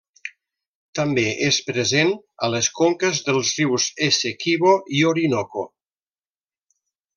També és present a les conques dels rius Essequibo i Orinoco.